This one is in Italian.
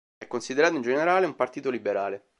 È considerato in generale un partito liberale.